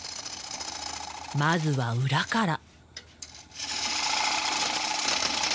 まずは裏から。